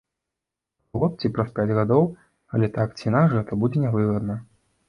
Праз год ці праз пяць гадоў, але так ці інакш гэта будзе нявыгадна.